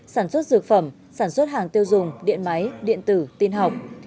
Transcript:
sản xuất dược phẩm sản xuất hàng tiêu dùng điện máy điện tử tin học